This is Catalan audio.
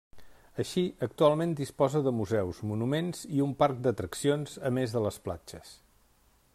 Així, actualment disposa de museus, monuments i un parc d'atraccions, a més de les platges.